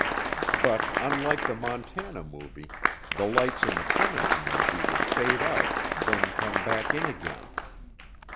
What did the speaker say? But, unlike the Montana Movie, the lights in the Tremonton Movie would fade out, then come back in again.